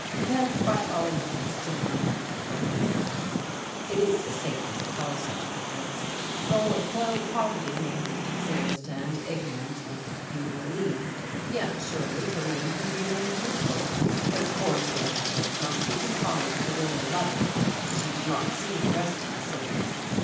"Then by all means join," I advised. "It is the safest of all such efforts, for though poverty may not exist and ignorance may not be relieved, yet surely Berlin can be more beautiful. But of course your efforts must be confined to the Royal Level as you do not see the rest of the city."